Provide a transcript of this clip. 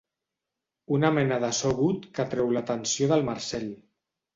Una mena de so agut que atreu l'atenció del Marcel.